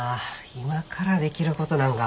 今からできることなんか。